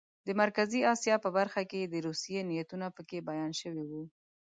د مرکزي اسیا په برخه کې د روسیې نیتونه پکې بیان شوي وو.